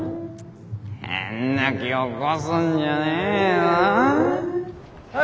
変な気起こすんじゃねえぞ」。